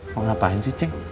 kamu ngapain sih cik